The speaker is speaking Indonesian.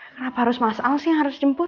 kenapa harus mas al sih yang harus jemput